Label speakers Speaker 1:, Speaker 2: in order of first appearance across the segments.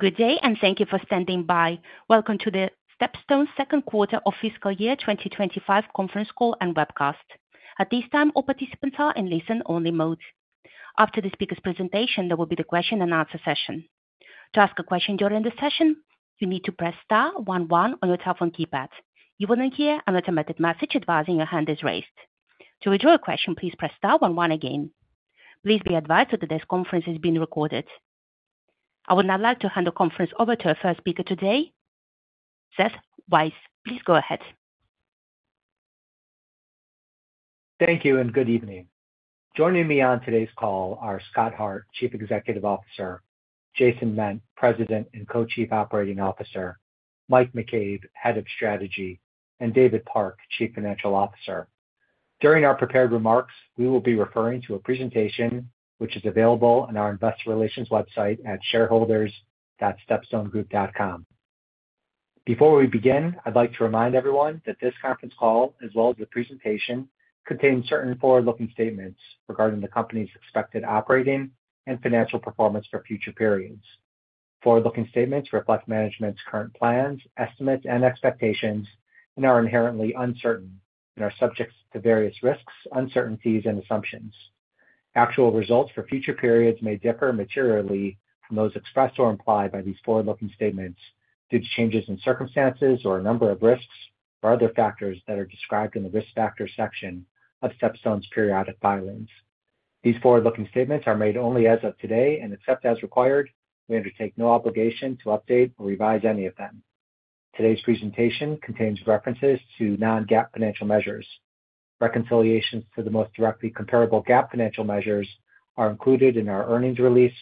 Speaker 1: Good day, and thank you for standing by. Welcome to the StepStone Second Quarter of Fiscal Year 2025 Conference Call and Webcast. At this time, all participants are in listen-only mode. After the speaker's presentation, there will be the question-and-answer session. To ask a question during the session, you need to press star one-one on your telephone keypad. You will then hear an automated message advising your hand is raised. To withdraw a question, please press star one-one again. Please be advised that this conference is being recorded. I would now like to hand the conference over to our first speaker today, Seth Weiss. Please go ahead.
Speaker 2: Thank you, and good evening. Joining me on today's call are Scott Hart, Chief Executive Officer, Jason Ment, President and Co-Chief Operating Officer, Mike McCabe, Head of Strategy, and David Park, Chief Financial Officer. During our prepared remarks, we will be referring to a presentation which is available on our investor relations website at shareholders.stepstonegroup.com. Before we begin, I'd like to remind everyone that this conference call, as well as the presentation, contains certain forward-looking statements regarding the company's expected operating and financial performance for future periods. Forward-looking statements reflect management's current plans, estimates, and expectations, and are inherently uncertain and are subject to various risks, uncertainties, and assumptions. Actual results for future periods may differ materially from those expressed or implied by these forward-looking statements due to changes in circumstances or a number of risks or other factors that are described in the risk factor section of StepStone's periodic filings. These forward-looking statements are made only as of today, and except as required, we undertake no obligation to update or revise any of them. Today's presentation contains references to non-GAAP financial measures. Reconciliations to the most directly comparable GAAP financial measures are included in our earnings release,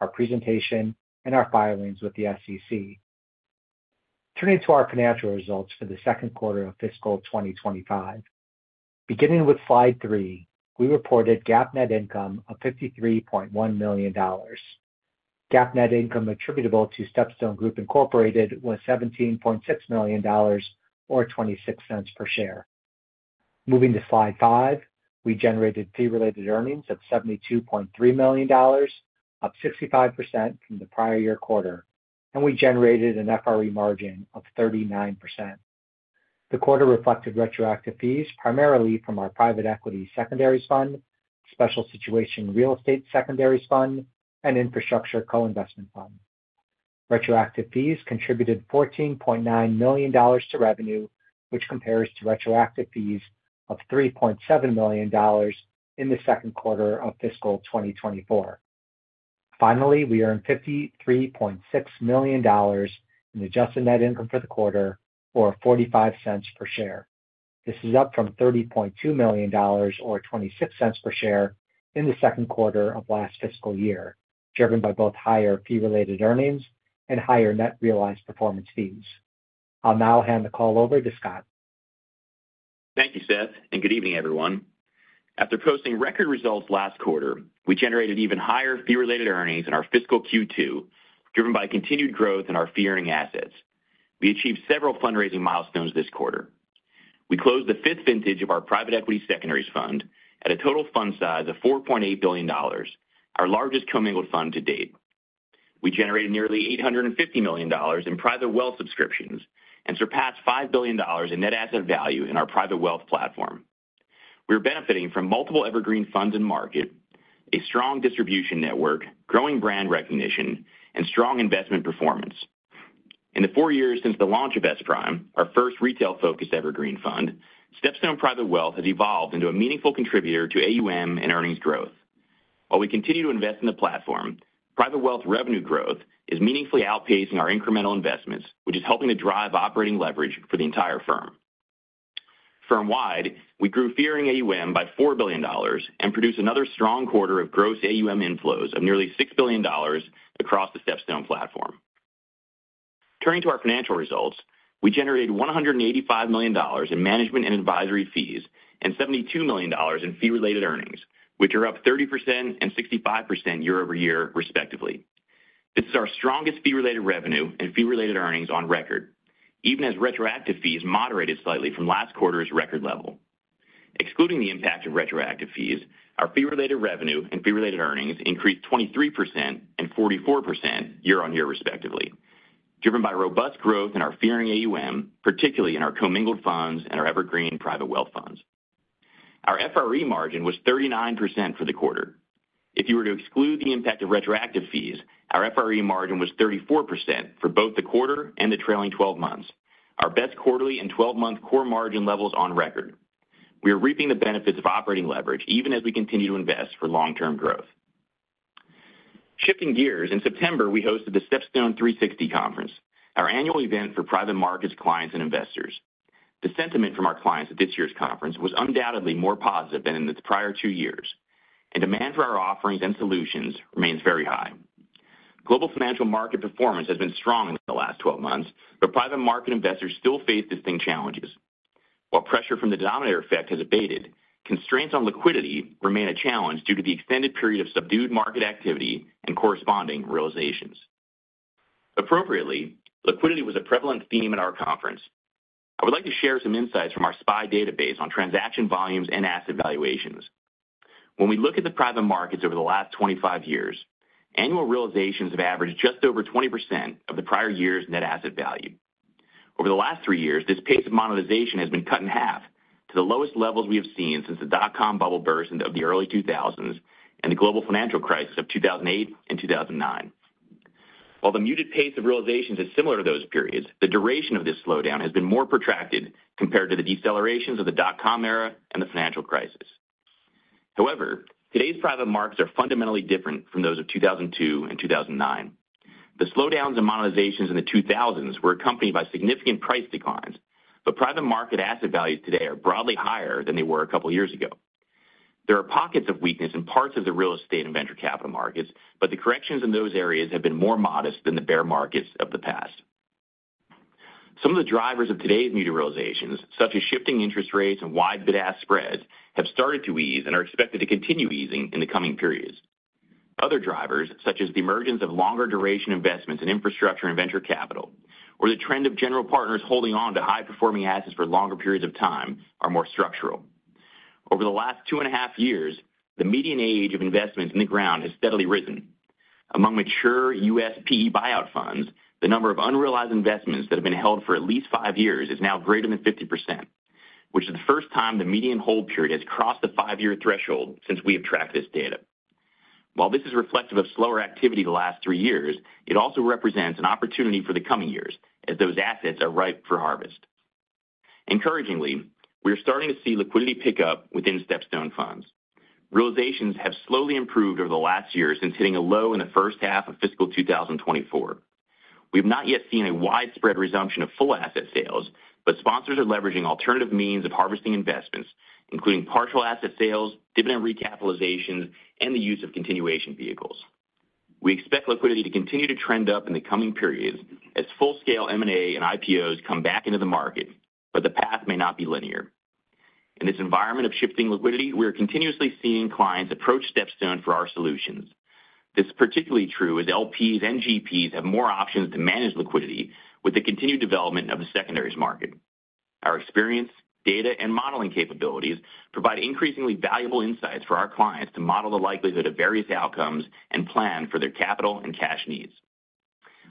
Speaker 2: our presentation, and our filings with the SEC. Turning to our financial results for the second quarter of fiscal 2025. Beginning with slide three, we reported GAAP net income of $53.1 million. GAAP net income attributable to StepStone Group Incorporated was $17.6 million or $0.26 per share. Moving to slide five, we generated fee-related earnings of $72.3 million, up 65% from the prior year quarter, and we generated an FRE margin of 39%. The quarter reflected retroactive fees primarily from our private equity secondaries fund, special situation real estate secondaries fund, and infrastructure co-investment fund. Retroactive fees contributed $14.9 million to revenue, which compares to retroactive fees of $3.7 million in the second quarter of fiscal 2024. Finally, we earned $53.6 million in adjusted net income for the quarter, or $0.45 per share. This is up from $30.2 million or $0.26 per share in the second quarter of last fiscal year, driven by both higher fee-related earnings and higher net realized performance fees. I'll now hand the call over to Scott.
Speaker 3: Thank you, Seth, and good evening, everyone. After posting record results last quarter, we generated even higher fee-related earnings in our fiscal Q2, driven by continued growth in our fee-earning assets. We achieved several fundraising milestones this quarter. We closed the fifth vintage of our private equity secondaries fund at a total fund size of $4.8 billion, our largest co-mingled fund to date. We generated nearly $850 million in private wealth subscriptions and surpassed $5 billion in net asset value in our private wealth platform. We are benefiting from multiple evergreen funds in market, a strong distribution network, growing brand recognition, and strong investment performance. In the four years since the launch of SPRIM, our first retail-focused evergreen fund, StepStone Private Wealth has evolved into a meaningful contributor to AUM and earnings growth. While we continue to invest in the platform, private wealth revenue growth is meaningfully outpacing our incremental investments, which is helping to drive operating leverage for the entire firm. Firm-wide, we grew fee-earning AUM by $4 billion and produced another strong quarter of gross AUM inflows of nearly $6 billion across the StepStone platform. Turning to our financial results, we generated $185 million in management and advisory fees and $72 million in fee-related earnings, which are up 30% and 65% year-over-year, respectively. This is our strongest fee-related revenue and fee-related earnings on record, even as retroactive fees moderated slightly from last quarter's record level. Excluding the impact of retroactive fees, our fee-related revenue and fee-related earnings increased 23% and 44% year-on-year, respectively, driven by robust growth in our fee-earning AUM, particularly in our co-mingled funds and our evergreen private wealth funds. Our FRE margin was 39% for the quarter. If you were to exclude the impact of retroactive fees, our FRE margin was 34% for both the quarter and the trailing 12 months, our best quarterly and 12-month core margin levels on record. We are reaping the benefits of operating leverage even as we continue to invest for long-term growth. Shifting gears, in September, we hosted the StepStone 360 Conference, our annual event for private markets clients and investors. The sentiment from our clients at this year's conference was undoubtedly more positive than in the prior two years, and demand for our offerings and solutions remains very high. Global financial market performance has been strong in the last 12 months, but private market investors still face distinct challenges. While pressure from the denominator effect has abated, constraints on liquidity remain a challenge due to the extended period of subdued market activity and corresponding realizations. Appropriately, liquidity was a prevalent theme at our conference. I would like to share some insights from our SPI database on transaction volumes and asset valuations. When we look at the private markets over the last 25 years, annual realizations have averaged just over 20% of the prior year's net asset value. Over the last three years, this pace of monetization has been cut in half to the lowest levels we have seen since the dot-com bubble burst of the early 2000s and the global financial crisis of 2008 and 2009. While the muted pace of realizations is similar to those periods, the duration of this slowdown has been more protracted compared to the decelerations of the dot-com era and the financial crisis. However, today's private markets are fundamentally different from those of 2002 and 2009. The slowdowns and monetizations in the 2000s were accompanied by significant price declines, but private market asset values today are broadly higher than they were a couple of years ago. There are pockets of weakness in parts of the real estate and venture capital markets, but the corrections in those areas have been more modest than the bear markets of the past. Some of the drivers of today's muted realizations, such as shifting interest rates and wide bid-ask spreads, have started to ease and are expected to continue easing in the coming periods. Other drivers, such as the emergence of longer duration investments in infrastructure and venture capital, or the trend of general partners holding on to high-performing assets for longer periods of time, are more structural. Over the last two and a half years, the median age of investments in the ground has steadily risen. Among mature U.S. PE buyout funds, the number of unrealized investments that have been held for at least five years is now greater than 50%, which is the first time the median hold period has crossed the five-year threshold since we have tracked this data. While this is reflective of slower activity the last three years, it also represents an opportunity for the coming years, as those assets are ripe for harvest. Encouragingly, we are starting to see liquidity pick up within StepStone funds. Realizations have slowly improved over the last year since hitting a low in the first half of fiscal 2024. We have not yet seen a widespread resumption of full asset sales, but sponsors are leveraging alternative means of harvesting investments, including partial asset sales, dividend recapitalizations, and the use of continuation vehicles. We expect liquidity to continue to trend up in the coming periods as full-scale M&A and IPOs come back into the market, but the path may not be linear. In this environment of shifting liquidity, we are continuously seeing clients approach StepStone for our solutions. This is particularly true as LPs and GPs have more options to manage liquidity with the continued development of the secondaries market. Our experience, data, and modeling capabilities provide increasingly valuable insights for our clients to model the likelihood of various outcomes and plan for their capital and cash needs.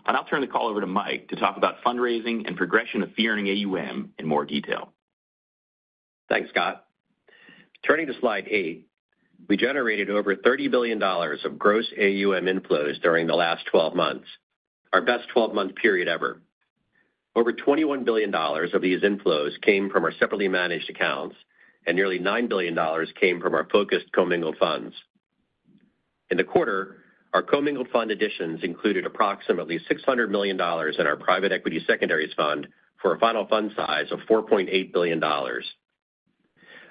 Speaker 3: And I'll turn the call over to Mike to talk about fundraising and progression of fee-earning AUM in more detail.
Speaker 4: Thanks, Scott. Turning to slide eight, we generated over $30 billion of gross AUM inflows during the last 12 months, our best 12-month period ever. Over $21 billion of these inflows came from our separately managed accounts, and nearly $9 billion came from our focused co-mingled funds. In the quarter, our co-mingled fund additions included approximately $600 million in our private equity secondaries fund for a final fund size of $4.8 billion.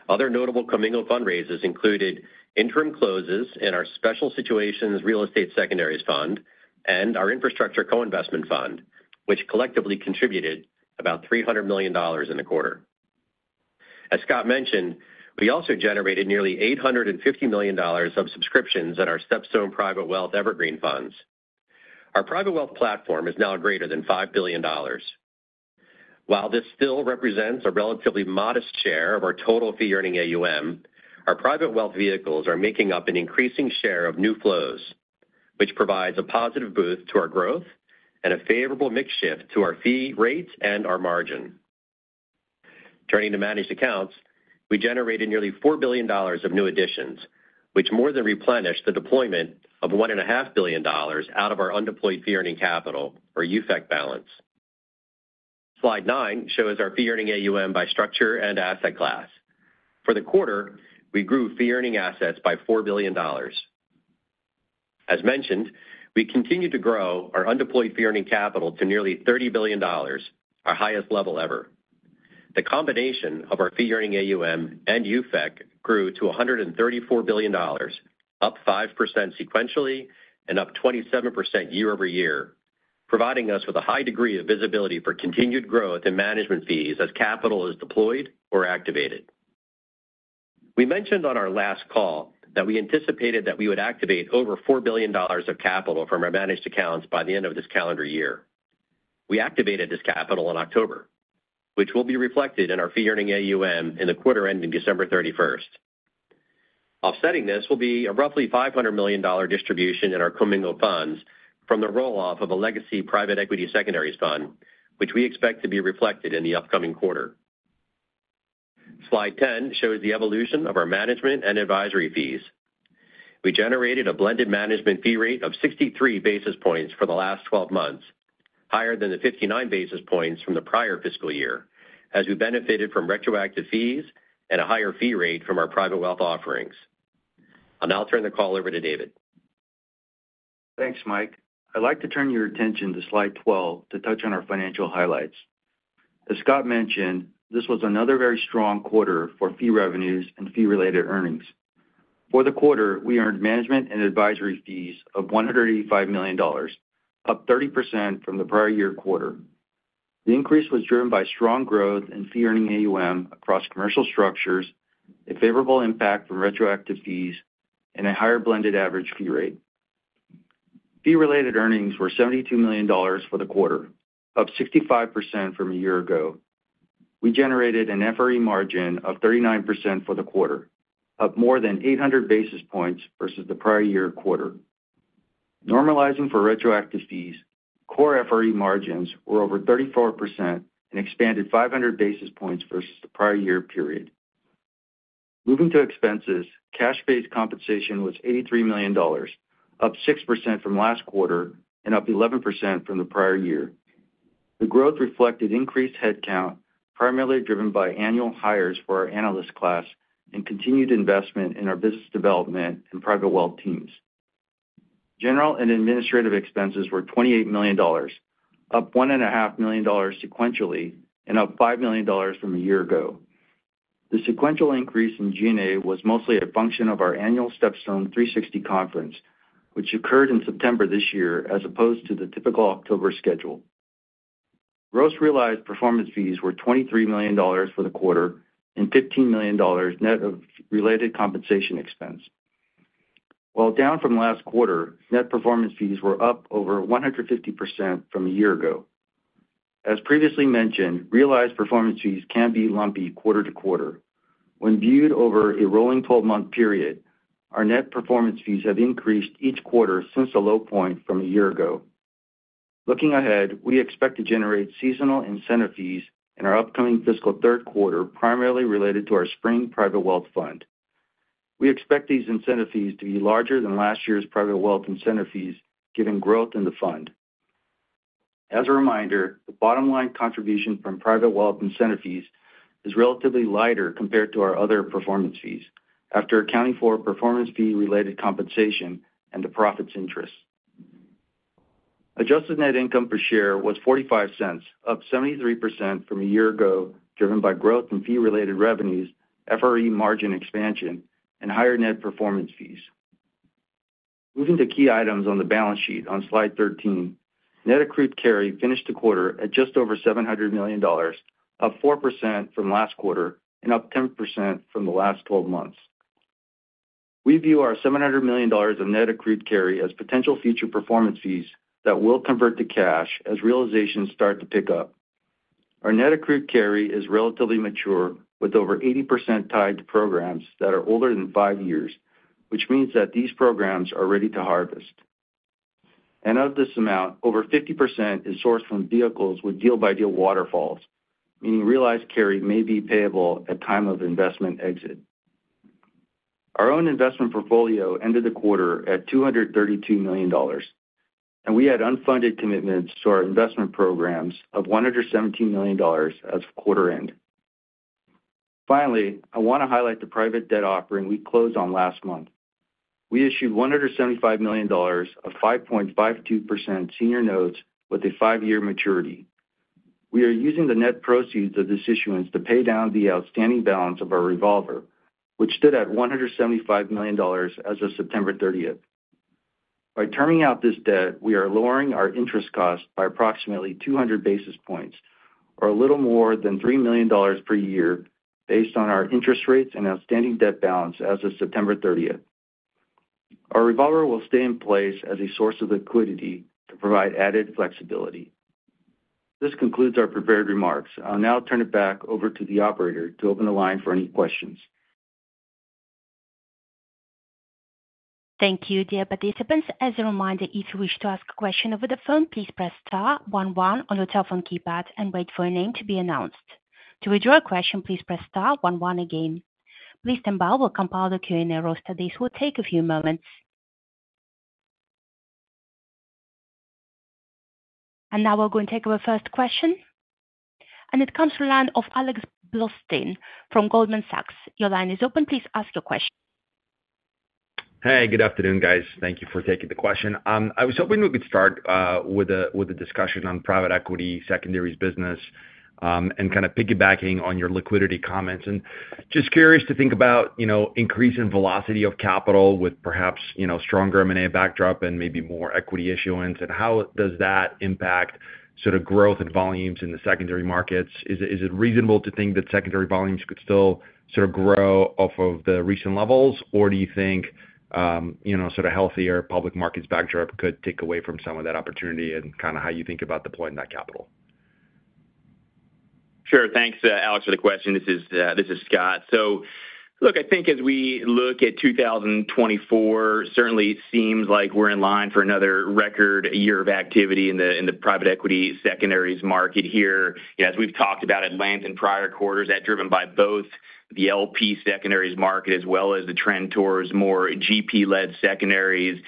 Speaker 4: Other notable co-mingled fund raises included interim closes in our special situations real estate secondaries fund and our infrastructure co-investment fund, which collectively contributed about $300 million in the quarter. As Scott mentioned, we also generated nearly $850 million of subscriptions in our StepStone Private Wealth evergreen funds. Our private wealth platform is now greater than $5 billion. While this still represents a relatively modest share of our total fee-earning AUM, our private wealth vehicles are making up an increasing share of new flows, which provides a positive boost to our growth and a favorable mix shift to our fee rates and our margin. Turning to managed accounts, we generated nearly $4 billion of new additions, which more than replenished the deployment of $1.5 billion out of our undeployed fee-earning capital, or UFEC, balance. Slide nine shows our fee-earning AUM by structure and asset class. For the quarter, we grew fee-earning assets by $4 billion. As mentioned, we continued to grow our undeployed fee-earning capital to nearly $30 billion, our highest level ever. The combination of our fee-earning AUM and UFEC grew to $134 billion, up 5% sequentially and up 27% year-over-year, providing us with a high degree of visibility for continued growth in management fees as capital is deployed or activated. We mentioned on our last call that we anticipated that we would activate over $4 billion of capital from our managed accounts by the end of this calendar year. We activated this capital in October, which will be reflected in our fee-earning AUM in the quarter ending December 31st. Offsetting this will be a roughly $500 million distribution in our commingled funds from the roll-off of a legacy private equity secondaries fund, which we expect to be reflected in the upcoming quarter. Slide 10 shows the evolution of our management and advisory fees. We generated a blended management fee rate of 63 basis points for the last 12 months, higher than the 59 basis points from the prior fiscal year, as we benefited from retroactive fees and a higher fee rate from our private wealth offerings. I'll now turn the call over to David.
Speaker 5: Thanks, Mike. I'd like to turn your attention to slide 12 to touch on our financial highlights. As Scott mentioned, this was another very strong quarter for fee revenues and fee-related earnings. For the quarter, we earned management and advisory fees of $185 million, up 30% from the prior year quarter. The increase was driven by strong growth in fee-earning AUM across commercial structures, a favorable impact from retroactive fees, and a higher blended average fee rate. Fee-related earnings were $72 million for the quarter, up 65% from a year ago. We generated an FRE margin of 39% for the quarter, up more than 800 basis points versus the prior year quarter. Normalizing for retroactive fees, core FRE margins were over 34% and expanded 500 basis points versus the prior year period. Moving to expenses, cash-based compensation was $83 million, up 6% from last quarter and up 11% from the prior year. The growth reflected increased headcount, primarily driven by annual hires for our analyst class and continued investment in our business development and private wealth teams. General and administrative expenses were $28 million, up $1.5 million sequentially and up $5 million from a year ago. The sequential increase in G&A was mostly a function of our annual StepStone 360 Conference, which occurred in September this year as opposed to the typical October schedule. Gross realized performance fees were $23 million for the quarter and $15 million net of related compensation expense. While down from last quarter, net performance fees were up over 150% from a year ago. As previously mentioned, realized performance fees can be lumpy quarter-to-quarter. When viewed over a rolling 12-month period, our net performance fees have increased each quarter since the low point from a year ago. Looking ahead, we expect to generate seasonal incentive fees in our upcoming fiscal third quarter, primarily related to our SPRING private wealth fund. We expect these incentive fees to be larger than last year's private wealth incentive fees, giving growth in the fund. As a reminder, the bottom line contribution from private wealth incentive fees is relatively lighter compared to our other performance fees, after accounting for performance fee-related compensation and the profits interest. Adjusted net income per share was $0.45, up 73% from a year ago, driven by growth in fee-related revenues, FRE margin expansion, and higher net performance fees. Moving to key items on the balance sheet on slide 13, net accrued carry finished the quarter at just over $700 million, up 4% from last quarter and up 10% from the last 12 months. We view our $700 million of net accrued carry as potential future performance fees that will convert to cash as realizations start to pick up. Our net accrued carry is relatively mature, with over 80% tied to programs that are older than five years, which means that these programs are ready to harvest. And of this amount, over 50% is sourced from vehicles with deal-by-deal waterfalls, meaning realized carry may be payable at time of investment exit. Our own investment portfolio ended the quarter at $232 million, and we had unfunded commitments to our investment programs of $117 million as quarter end. Finally, I want to highlight the private debt offering we closed on last month. We issued $175 million of 5.52% senior notes with a five-year maturity. We are using the net proceeds of this issuance to pay down the outstanding balance of our revolver, which stood at $175 million as of September 30th. By turning out this debt, we are lowering our interest cost by approximately 200 basis points, or a little more than $3 million per year, based on our interest rates and outstanding debt balance as of September 30th. Our revolver will stay in place as a source of liquidity to provide added flexibility. This concludes our prepared remarks. I'll now turn it back over to the operator to open the line for any questions.
Speaker 1: Thank you, dear participants. As a reminder, if you wish to ask a question over the phone, please press star one-one on your telephone keypad and wait for your name to be announced. To withdraw a question, please press star one-one again. Please stand by, we'll compile the Q&A questions. It will take a few moments, and now we're going to take our first question, and it comes from the line of Alex Blostein from Goldman Sachs. Your line is open. Please ask your question.
Speaker 6: Hey, good afternoon, guys. Thank you for taking the question. I was hoping we could start with a discussion on private equity secondaries business and kind of piggybacking on your liquidity comments, and just curious to think about increasing velocity of capital with perhaps stronger M&A backdrop and maybe more equity issuance, and how does that impact sort of growth and volumes in the secondary markets? Is it reasonable to think that secondary volumes could still sort of grow off of the recent levels, or do you think sort of healthier public markets backdrop could take away from some of that opportunity, and kind of how you think about deploying that capital?
Speaker 3: Sure. Thanks, Alex, for the question. This is Scott. So, look, I think as we look at 2024, certainly it seems like we're in line for another record year of activity in the private equity secondaries market here. As we've talked about at length in prior quarters, that's driven by both the LP secondaries market as well as the trend towards more GP-led secondaries.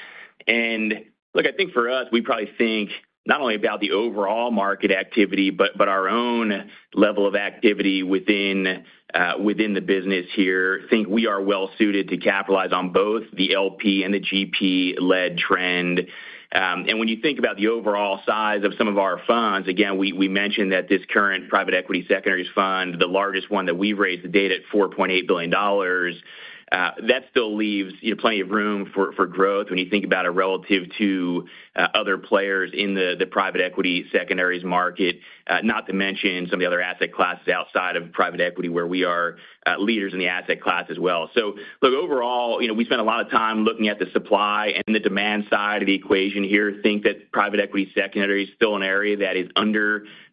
Speaker 3: And look, I think for us, we probably think not only about the overall market activity, but our own level of activity within the business here. I think we are well-suited to capitalize on both the LP and the GP-led trend. When you think about the overall size of some of our funds, again, we mentioned that this current private equity secondaries fund, the largest one that we've raised, that came in at $4.8 billion, that still leaves plenty of room for growth when you think about it relative to other players in the private equity secondaries market, not to mention some of the other asset classes outside of private equity where we are leaders in the asset class as well. So, look, overall, we spent a lot of time looking at the supply and the demand side of the equation here. I think that private equity secondary is still an area that is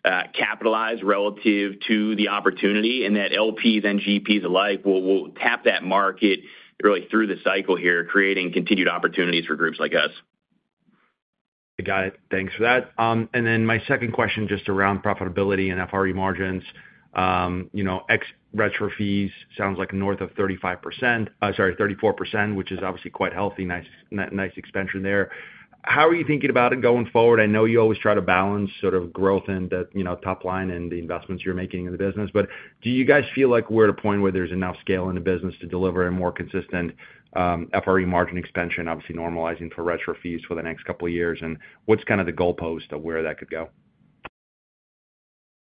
Speaker 3: under-capitalized relative to the opportunity and that LPs and GPs alike will tap that market really through the cycle here, creating continued opportunities for groups like us.
Speaker 6: I got it. Thanks for that. And then my second question just around profitability and FRE margins. Ex retro fees sounds like north of 35%, sorry, 34%, which is obviously quite healthy, nice expansion there. How are you thinking about it going forward? I know you always try to balance sort of growth and the top line and the investments you're making in the business, but do you guys feel like we're at a point where there's enough scale in the business to deliver a more consistent FRE margin expansion, obviously normalizing for retro fees for the next couple of years, and what's kind of the goalpost of where that could go?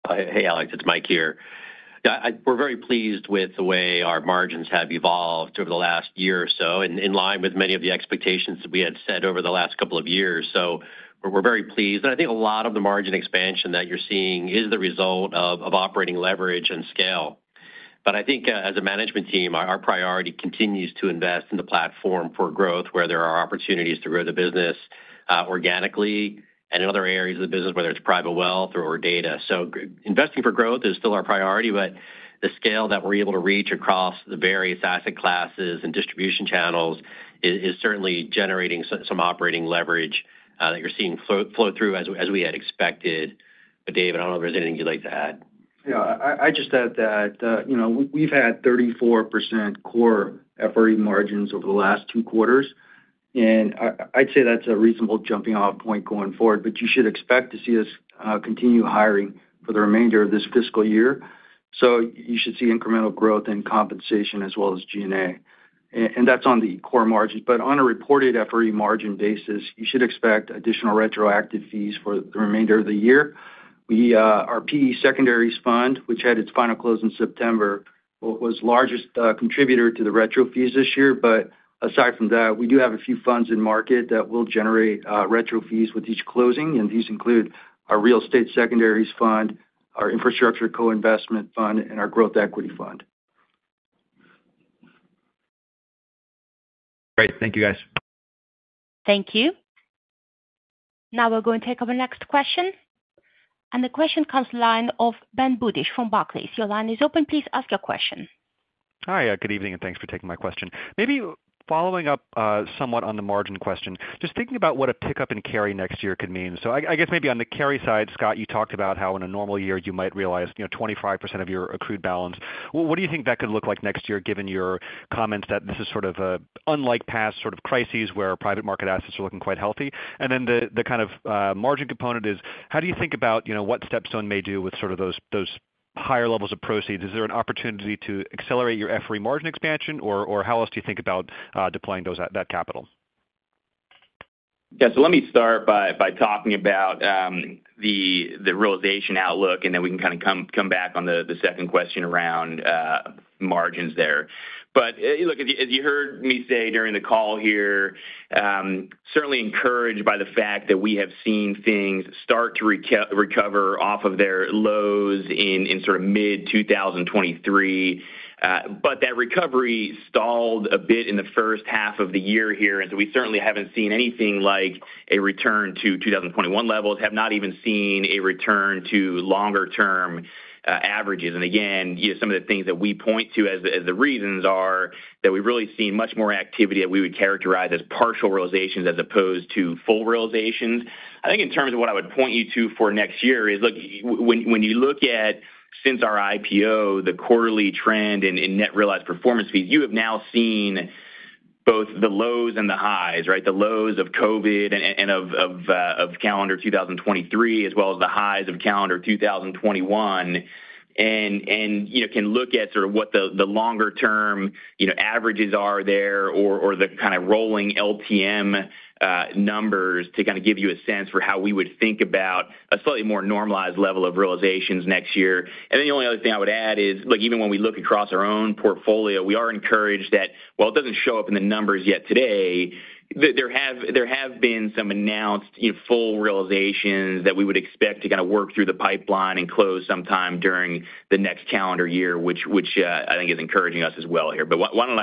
Speaker 4: Hey, Alex, it's Mike here. We're very pleased with the way our margins have evolved over the last year or so, in line with many of the expectations that we had set over the last couple of years. So we're very pleased. And I think a lot of the margin expansion that you're seeing is the result of operating leverage and scale. But I think as a management team, our priority continues to invest in the platform for growth where there are opportunities to grow the business organically and in other areas of the business, whether it's private wealth or data. So investing for growth is still our priority, but the scale that we're able to reach across the various asset classes and distribution channels is certainly generating some operating leverage that you're seeing flow through as we had expected. But, David, I don't know if there's anything you'd like to add.
Speaker 5: Yeah, I just add that we've had 34% core FRE margins over the last two quarters, and I'd say that's a reasonable jumping-off point going forward, but you should expect to see us continue hiring for the remainder of this fiscal year, so you should see incremental growth in compensation as well as G&A, and that's on the core margins, but on a reported FRE margin basis, you should expect additional retroactive fees for the remainder of the year. Our PE secondaries fund, which had its final close in September, was the largest contributor to the retro fees this year, but aside from that, we do have a few funds in market that will generate retro fees with each closing, and these include our real estate secondaries fund, our infrastructure co-investment fund, and our growth equity fund.
Speaker 6: Great. Thank you, guys.
Speaker 1: Thank you. Now we're going to take our next question, and the question comes from Ben Budish from Barclays. Your line is open. Please ask your question.
Speaker 7: Hi, good evening, and thanks for taking my question. Maybe following up somewhat on the margin question, just thinking about what a pickup in carry next year could mean. So I guess maybe on the carry side, Scott, you talked about how in a normal year you might realize 25% of your accrued balance. What do you think that could look like next year, given your comments that this is sort of an unlike past sort of crises where private market assets are looking quite healthy? And then the kind of margin component is, how do you think about what StepStone may do with sort of those higher levels of proceeds? Is there an opportunity to accelerate your FRE margin expansion, or how else do you think about deploying that capital?
Speaker 3: Yeah, so let me start by talking about the realization outlook, and then we can kind of come back on the second question around margins there. But look, as you heard me say during the call here, certainly encouraged by the fact that we have seen things start to recover off of their lows in sort of mid-2023. But that recovery stalled a bit in the first half of the year here. And so we certainly haven't seen anything like a return to 2021 levels, have not even seen a return to longer-term averages. And again, some of the things that we point to as the reasons are that we've really seen much more activity that we would characterize as partial realizations as opposed to full realizations. I think in terms of what I would point you to for next year is, look, when you look at since our IPO, the quarterly trend in net realized performance fees, you have now seen both the lows and the highs, right? The lows of COVID and of calendar 2023, as well as the highs of calendar 2021, and can look at sort of what the longer-term averages are there or the kind of rolling LTM numbers to kind of give you a sense for how we would think about a slightly more normalized level of realizations next year. And then the only other thing I would add is, look, even when we look across our own portfolio, we are encouraged that, while it doesn't show up in the numbers yet today, there have been some announced full realizations that we would expect to kind of work through the pipeline and close sometime during the next calendar year, which I think is encouraging us as well here. But why don't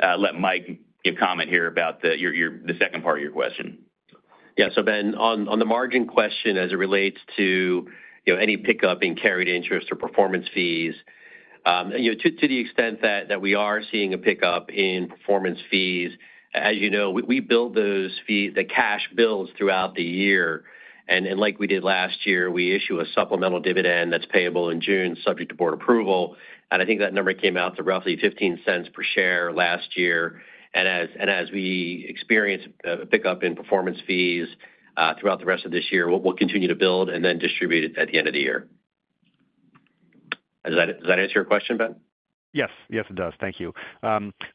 Speaker 3: I let Mike comment here about the second part of your question?
Speaker 4: Yeah, so Ben, on the margin question as it relates to any pickup in carried interest or performance fees, to the extent that we are seeing a pickup in performance fees, as you know, we build those fees, the cash builds throughout the year. And like we did last year, we issue a supplemental dividend that's payable in June, subject to board approval. I think that number came out to roughly $0.15 per share last year. As we experience a pickup in performance fees throughout the rest of this year, we'll continue to build and then distribute it at the end of the year. Does that answer your question, Ben?
Speaker 7: Yes, yes, it does. Thank you.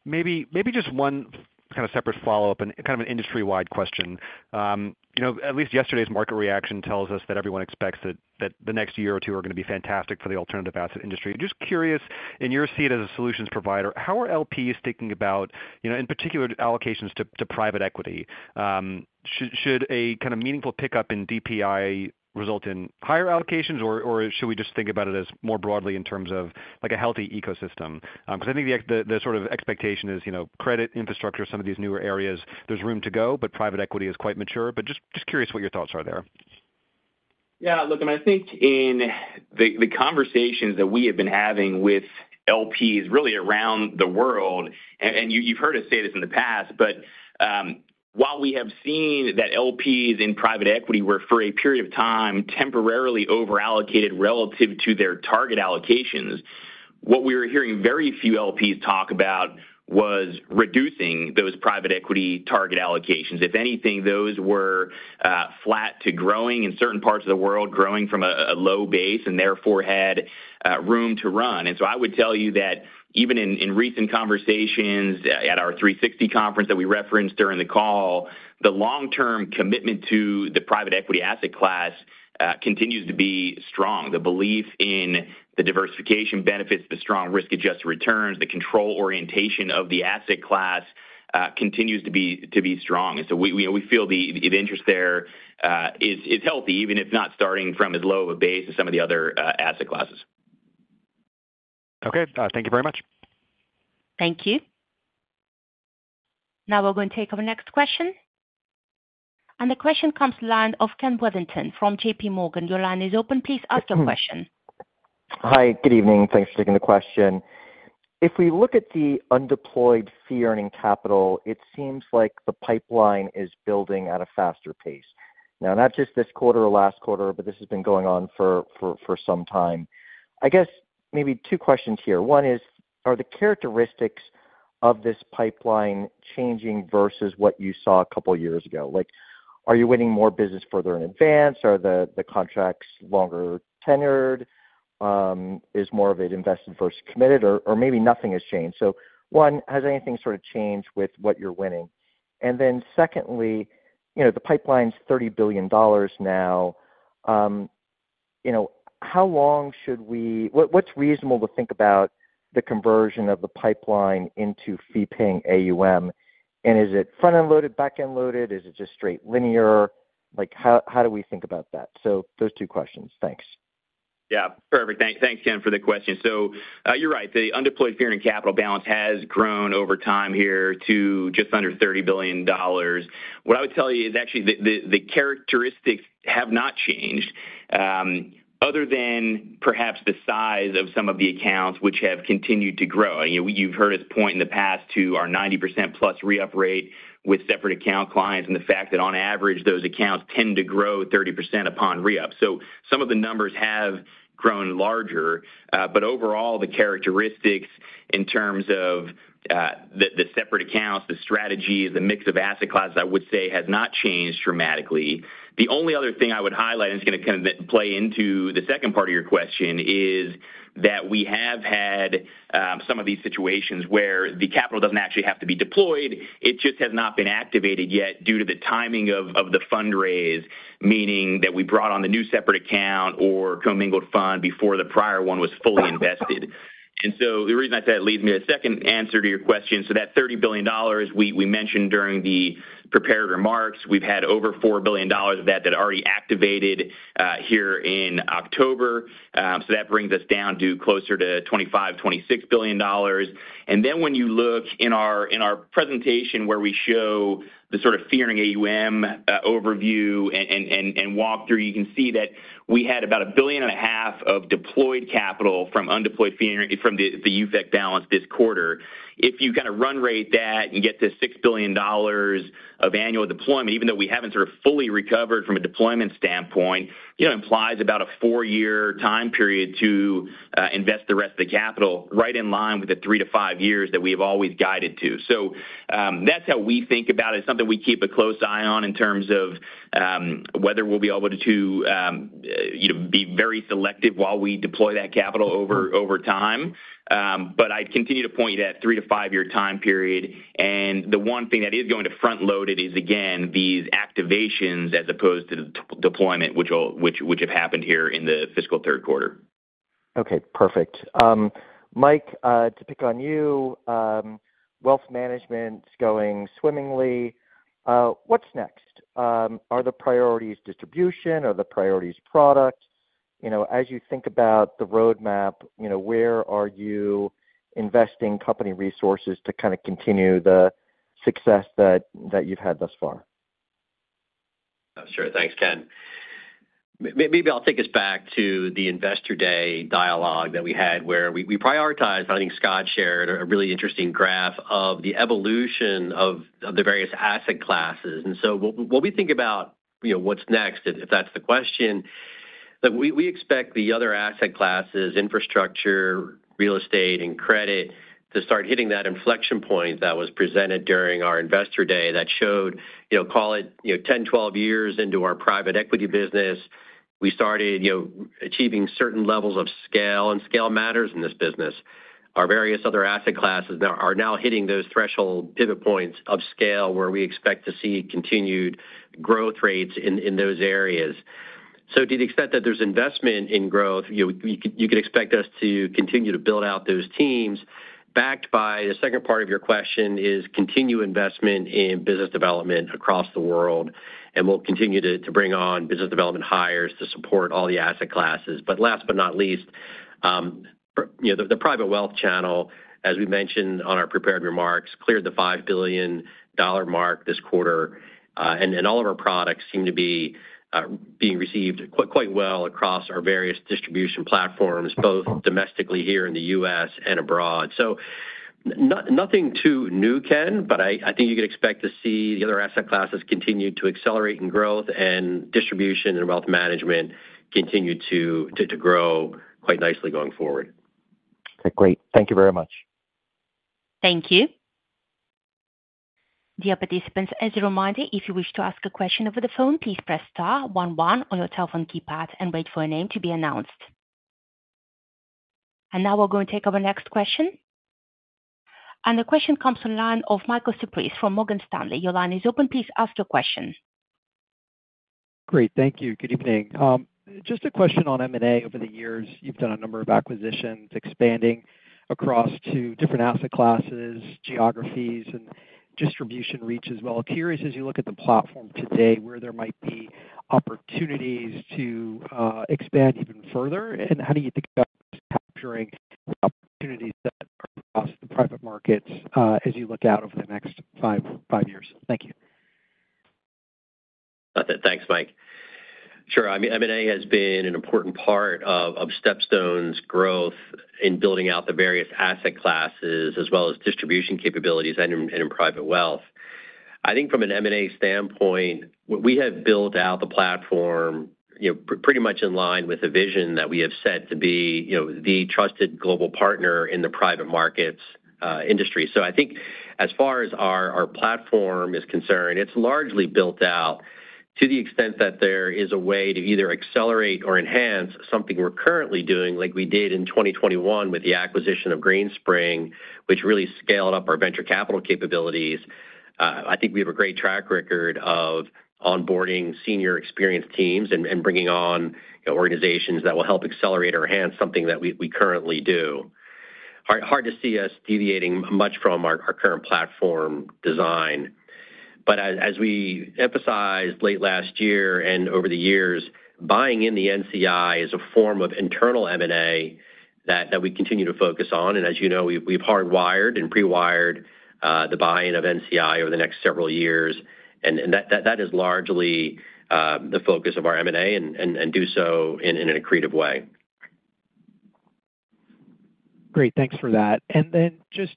Speaker 7: Maybe just one kind of separate follow-up and kind of an industry-wide question. At least yesterday's market reaction tells us that everyone expects that the next year or two are going to be fantastic for the alternative asset industry. Just curious, in your seat as a solutions provider, how are LPs thinking about, in particular, allocations to private equity? Should a kind of meaningful pickup in DPI result in higher allocations, or should we just think about it as more broadly in terms of a healthy ecosystem? Because I think the sort of expectation is credit, infrastructure, some of these newer areas, there's room to go, but private equity is quite mature. But just curious what your thoughts are there?
Speaker 4: Yeah, look, I mean, I think in the conversations that we have been having with LPs really around the world, and you've heard us say this in the past, but while we have seen that LPs in private equity were for a period of time temporarily overallocated relative to their target allocations, what we were hearing very few LPs talk about was reducing those private equity target allocations. If anything, those were flat to growing in certain parts of the world, growing from a low base and therefore had room to run, and so I would tell you that even in recent conversations at our 360 conference that we referenced during the call, the long-term commitment to the private equity asset class continues to be strong. The belief in the diversification benefits, the strong risk-adjusted returns, the control orientation of the asset class continues to be strong. We feel the interest there is healthy, even if not starting from as low of a base as some of the other asset classes.
Speaker 7: Okay, thank you very much.
Speaker 1: Thank you. Now we're going to take our next question. And the question comes from Ken Worthington of J.P. Morgan. Your line is open. Please ask your question.
Speaker 8: Hi, good evening. Thanks for taking the question. If we look at the undeployed fee-earning capital, it seems like the pipeline is building at a faster pace. Now, not just this quarter or last quarter, but this has been going on for some time. I guess maybe two questions here. One is, are the characteristics of this pipeline changing versus what you saw a couple of years ago? Are you winning more business further in advance? Are the contracts longer tenured? Is more of it invested versus committed? Or maybe nothing has changed. So one, has anything sort of changed with what you're winning? And then secondly, the pipeline's $30 billion now. What's reasonable to think about the conversion of the pipeline into fee-earning AUM? And is it front-end loaded, back-end loaded? Is it just straight linear? How do we think about that? So those two questions. Thanks.
Speaker 3: Yeah, perfect. Thanks, Ken, for the question. So you're right. The undeployed fee-earning capital balance has grown over time here to just under $30 billion. What I would tell you is actually the characteristics have not changed other than perhaps the size of some of the accounts which have continued to grow. You've heard us point in the past to our 90%+ re-up rate with separate account clients and the fact that on average, those accounts tend to grow 30% upon re-up. So some of the numbers have grown larger, but overall, the characteristics in terms of the separate accounts, the strategies, the mix of asset classes, I would say has not changed dramatically. The only other thing I would highlight, and it's going to kind of play into the second part of your question, is that we have had some of these situations where the capital doesn't actually have to be deployed. It just has not been activated yet due to the timing of the fundraise, meaning that we brought on the new separate account or commingled fund before the prior one was fully invested. And so the reason I said it leads me to the second answer to your question. So that $30 billion we mentioned during the prepared remarks, we've had over $4 billion of that already activated here in October. So that brings us down to closer to $25 billion-$26 billion. And then when you look in our presentation where we show the sort of fee-earning AUM overview and walkthrough, you can see that we had about $1.5 billion of deployed capital from undeployed fee-earning from the UFEC balance this quarter. If you kind of run rate that and get to $6 billion of annual deployment, even though we haven't sort of fully recovered from a deployment standpoint, it implies about a four-year time period to invest the rest of the capital right in line with the three-to-five years that we have always guided to. So that's how we think about it. It's something we keep a close eye on in terms of whether we'll be able to be very selective while we deploy that capital over time. But I continue to point you to that three-to-five-year time period. The one thing that is going to front-load it is, again, these activations as opposed to deployment, which have happened here in the fiscal third quarter.
Speaker 8: Okay, perfect. Mike, to pick on you, wealth management's going swimmingly. What's next? Are the priorities distribution? Are the priorities product? As you think about the roadmap, where are you investing company resources to kind of continue the success that you've had thus far?
Speaker 4: Sure, thanks, Ken. Maybe I'll take us back to the investor day dialogue that we had where we prioritized, and I think Scott shared a really interesting graph of the evolution of the various asset classes, and so when we think about what's next, if that's the question, we expect the other asset classes, infrastructure, real estate, and credit to start hitting that inflection point that was presented during our investor day that showed, call it 10, 12 years into our private equity business, we started achieving certain levels of scale, and scale matters in this business. Our various other asset classes are now hitting those threshold pivot points of scale where we expect to see continued growth rates in those areas, so to the extent that there's investment in growth, you can expect us to continue to build out those teams. Backed by the second part of your question is continued investment in business development across the world. And we'll continue to bring on business development hires to support all the asset classes. But last but not least, the private wealth channel, as we mentioned on our prepared remarks, cleared the $5 billion mark this quarter. And all of our products seem to be being received quite well across our various distribution platforms, both domestically here in the U.S. and abroad. So nothing too new, Ken, but I think you can expect to see the other asset classes continue to accelerate in growth and distribution and wealth management continue to grow quite nicely going forward.
Speaker 8: Okay, great. Thank you very much.
Speaker 1: Thank you. Dear participants, as a reminder, if you wish to ask a question over the phone, please press star one-one on your telephone keypad, and wait for a name to be announced. And now we're going to take our next question. And the question comes on the line of Michael Cyprys from Morgan Stanley. Your line is open. Please ask your question.
Speaker 9: Great, thank you. Good evening. Just a question on M&A over the years. You've done a number of acquisitions, expanding across two different asset classes, geographies, and distribution reach as well. Curious, as you look at the platform today, where there might be opportunities to expand even further, and how do you think about capturing the opportunities that are across the private markets as you look out over the next five years? Thank you.
Speaker 3: Thanks, Mike. Sure. I mean, M&A has been an important part of StepStone's growth in building out the various asset classes as well as distribution capabilities and in private wealth. I think from an M&A standpoint, we have built out the platform pretty much in line with a vision that we have set to be the trusted global partner in the private markets industry. So I think as far as our platform is concerned, it's largely built out to the extent that there is a way to either accelerate or enhance something we're currently doing, like we did in 2021 with the acquisition of Greenspring, which really scaled up our venture capital capabilities. I think we have a great track record of onboarding senior experienced teams and bringing on organizations that will help accelerate or enhance something that we currently do. Hard to see us deviating much from our current platform design, but as we emphasized late last year and over the years, buying in the NCI is a form of internal M&A that we continue to focus on, and as you know, we've hardwired and pre-wired the buy-in of NCI over the next several years, and that is largely the focus of our M&A and do so in an accretive way.
Speaker 9: Great, thanks for that. And then just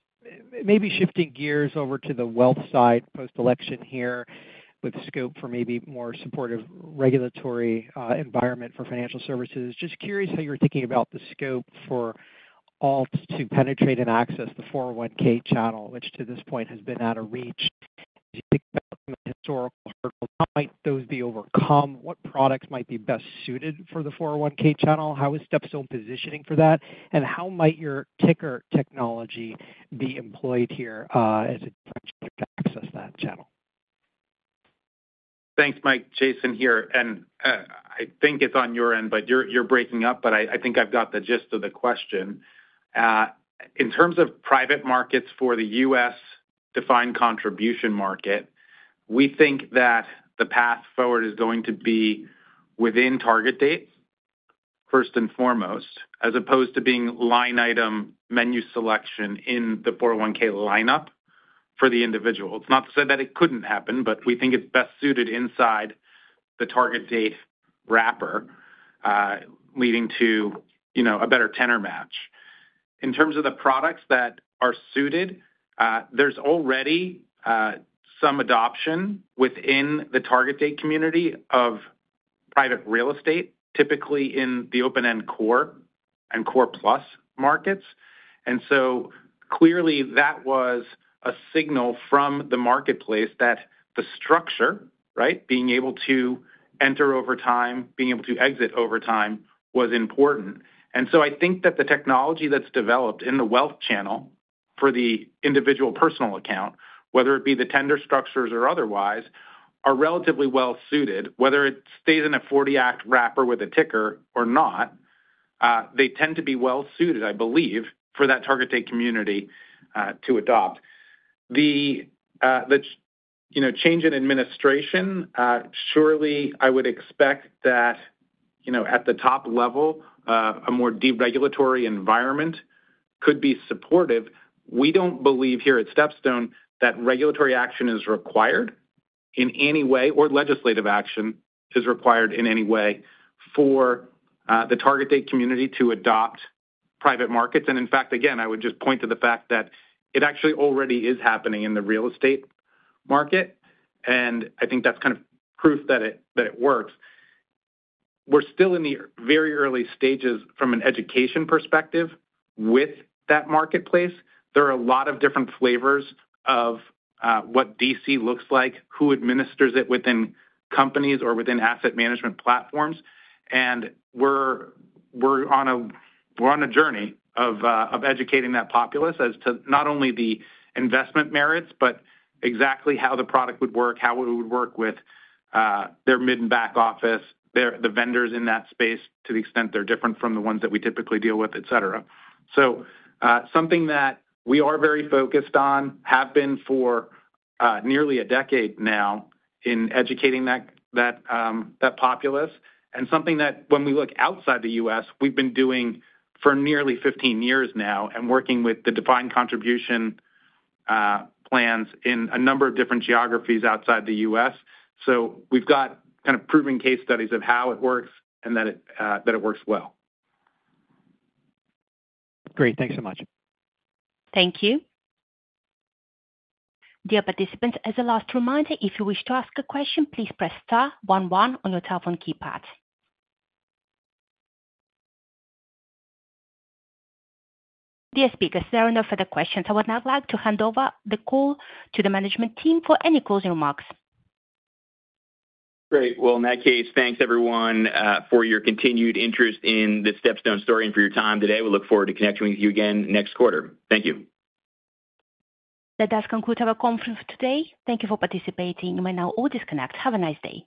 Speaker 9: maybe shifting gears over to the wealth side post-election here with scope for maybe more supportive regulatory environment for financial services. Just curious how you're thinking about the scope for alts to penetrate and access the 401(k) channel, which to this point has been out of reach. As you think about some of the historical hurdles, how might those be overcome? What products might be best suited for the 401(k) channel? How is StepStone positioning for that? And how might your liquidity technology be employed here as a differentiator to access that channel?
Speaker 10: Thanks, Mike. Jason here. And I think it's on your end, but you're breaking up, but I think I've got the gist of the question. In terms of private markets for the U.S. defined contribution market, we think that the path forward is going to be within target dates, first and foremost, as opposed to being line item menu selection in the 401(k) lineup for the individual. It's not to say that it couldn't happen, but we think it's best suited inside the target date wrapper, leading to a better tenor match. In terms of the products that are suited, there's already some adoption within the target date community of private real estate, typically in the open-end core and core plus markets. And so clearly, that was a signal from the marketplace that the structure, right, being able to enter over time, being able to exit over time was important. And so I think that the technology that's developed in the wealth channel for the individual personal account, whether it be the tender structures or otherwise, are relatively well suited. Whether it stays in a 40 Act wrapper with a ticker or not, they tend to be well suited, I believe, for that target date community to adopt. The change in administration, surely I would expect that at the top level, a more deregulatory environment could be supportive. We don't believe here at StepStone that regulatory action is required in any way, or legislative action is required in any way for the target date community to adopt private markets. And in fact, again, I would just point to the fact that it actually already is happening in the real estate market. And I think that's kind of proof that it works. We're still in the very early stages from an education perspective with that marketplace. There are a lot of different flavors of what DC looks like, who administers it within companies or within asset management platforms. And we're on a journey of educating that populace as to not only the investment merits, but exactly how the product would work, how it would work with their mid and back office, the vendors in that space to the extent they're different from the ones that we typically deal with, et cetera. So something that we are very focused on, have been for nearly a decade now in educating that populace. And something that when we look outside the U.S., we've been doing for nearly 15 years now and working with the defined contribution plans in a number of different geographies outside the U.S. So we've got kind of proven case studies of how it works and that it works well.
Speaker 9: Great, thanks so much.
Speaker 1: Thank you. Dear participants, as a last reminder, if you wish to ask a question, please press star one-one on your telephone keypad. Dear speakers, there are no further questions. I would now like to hand over the call to the management team for any closing remarks.
Speaker 3: Great. Well, in that case, thanks everyone for your continued interest in the StepStone story and for your time today. We look forward to connecting with you again next quarter. Thank you.
Speaker 1: That does conclude our conference today. Thank you for participating. You may now all disconnect. Have a nice day.